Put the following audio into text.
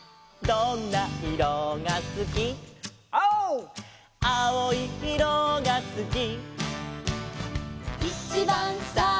「どんないろがすき」「」「きいろいいろがすき」